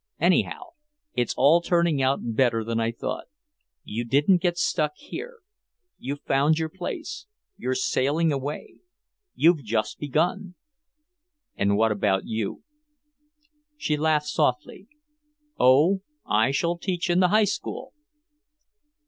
Anyhow, it's all turning out better than I thought. You didn't get stuck here. You've found your place. You're sailing away. You've just begun." "And what about you?" She laughed softly. "Oh, I shall teach in the High School!"